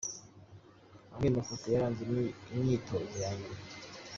Amwe mu mafoto yaranze imyitozo ya nyuma.